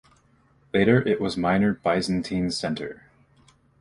Later it was a minor Byzantine center.